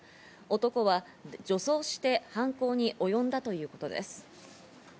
男は女装して犯行に及んだということです。